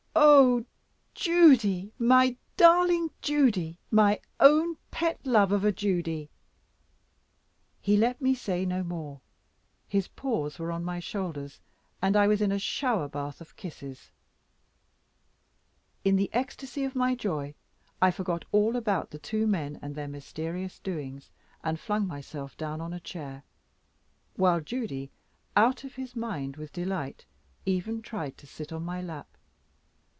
"Oh Judy, my darling Judy, my own pet love of a Judy." He let me say no more; his paws were on my shoulders, and I was in a shower bath of kisses. In the ecstasy of my joy, I forgot all about the two men and their mysterious doings, and flung myself down on a chair, while Judy, out of his mind with delight, even tried to sit on my lap.